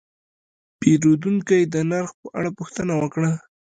پیرودونکی د نرخ په اړه پوښتنه وکړه.